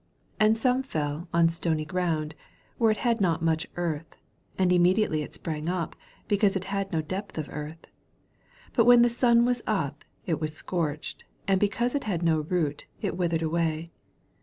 5 And some fell on stony ground, where it had not much earth ; and immediately it sprang up, because it had no depth of earth : 6 But when the sun was up, it was scorched ; and because it had no root, it withered away.